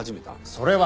それは。